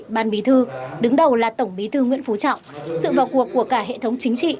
ban bí thư đứng đầu là tổng bí thư nguyễn phú trọng sự vào cuộc của cả hệ thống chính trị